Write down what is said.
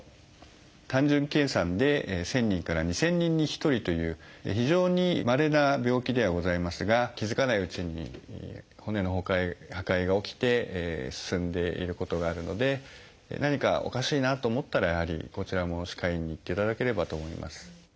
単純計算で１，０００人から２，０００人に１人という非常にまれな病気ではございますが気付かないうちに骨の破壊が起きて進んでいることがあるので何かおかしいなと思ったらやはりこちらも歯科医院に行っていただければと思います。